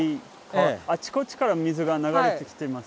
あちこちから水が流れてきてますね。